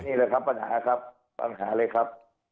นี่แหละครับปัญหาครับปัญหาเลยครับ